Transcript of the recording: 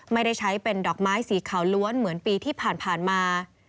ไม่ได้ใช้เป็นดอกไม้สีขาวล้วนเหมือนปีที่ผ่านมา